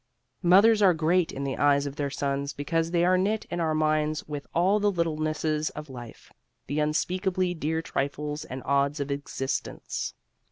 Mothers are great in the eyes of their sons because they are knit in our minds with all the littlenesses of life, the unspeakably dear trifles and odds of existence.